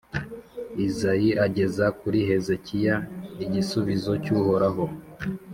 Izayi ageza kuri Hezekiya igisubizo cy’Uhoraho